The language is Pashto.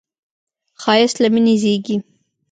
ښایست له مینې زېږي